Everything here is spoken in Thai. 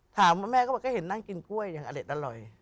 แม่ก็บอกก็เห็นนั่งกินกล้วยอย่างอเด็ดอร่อย